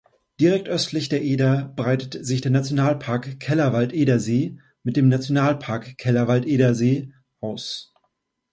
Direkt östlich der Eder breitet sich der Naturpark Kellerwald-Edersee mit dem Nationalpark Kellerwald-Edersee aus.